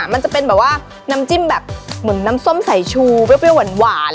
มันจะเป็นแบบว่าน้ำจิ้มแบบเหมือนน้ำส้มสายชูเปรี้ยวหวาน